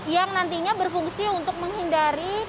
yang nantinya berfungsi untuk menghindari